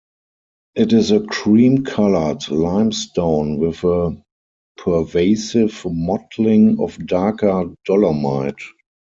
It is a cream-coloured limestone with a pervasive mottling of darker dolomite.